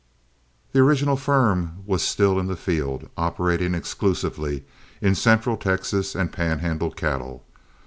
The original firm was still in the field, operating exclusively in central Texas and Pan Handle cattle.